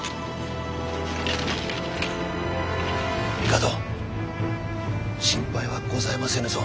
帝心配はございませぬぞ。